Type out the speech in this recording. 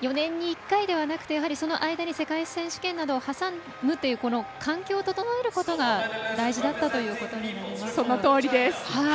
４年に１回ではなくてその間に世界選手権などを挟むというこの環境を整えることが大事だったということになりますね。